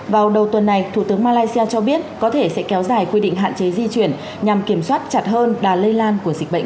vào đầu tuần này thủ tướng malaysia cho biết có thể sẽ kéo dài quy định hạn chế di chuyển